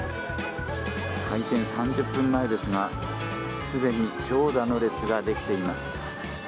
開店３０分前ですがすでに長蛇の列ができています。